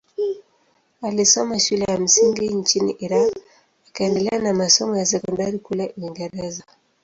Alisoma shule ya msingi nchini Iran akaendelea na masomo ya sekondari kule Uingereza.